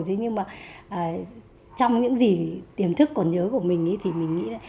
thế nhưng mà trong những gì tiềm thức còn nhớ của mình thì mình nghĩ là